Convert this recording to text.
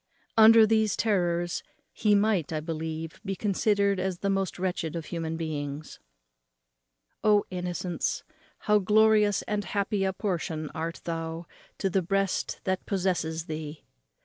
Under these terrors he might, I believe, be considered as the most wretched of human beings. O innocence, how glorious and happy a portion art thou to the breast that possesses thee!